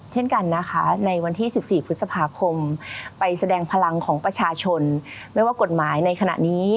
เช่นกันในวันที่๑๔พฤษภาคมไปแสดงพลังของประชาชน